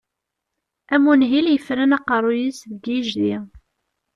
Am unhil yeffren aqerruy-is deg yijdi.